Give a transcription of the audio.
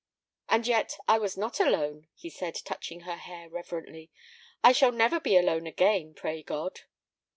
"And yet I was not alone," he said, touching her hair reverently. "I shall never be alone again, pray God."